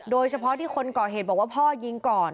โดยเฉพาะที่คนก่อเหตุบอกว่าพ่อยิงก่อน